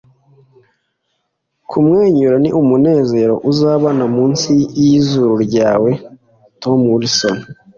kumwenyura ni umunezero uzabona munsi yizuru ryawe. - tom wilson